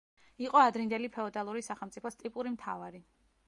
იყო ადრინდელი ფეოდალური სახელმწიფოს ტიპური მთავარი.